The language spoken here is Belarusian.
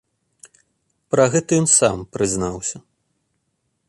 Пра гэта ён сам прызнаўся.